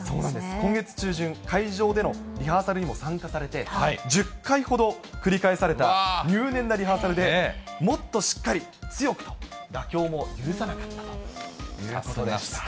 今月中旬、会場でのリハーサルにも参加されて、１０回ほど繰り返された入念なリハーサルでもっとしっかり強くと、妥協も許さなかったということでした。